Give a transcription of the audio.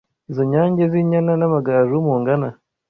Izo nyange z’inyana N’amagaju mungana